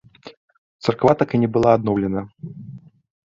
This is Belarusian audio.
Царква так і не была адноўлена.